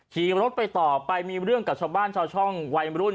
ขี่รถไปต่อไปมีเรื่องกับชาวบ้านชาวช่องวัยรุ่น